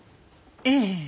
ええ。